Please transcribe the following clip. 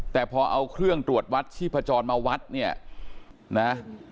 แต่พอเอาเครื่องตรวจวัดชีพจรมาวัดเนี่ยนะ